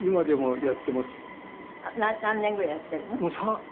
何年ぐらいやっているの？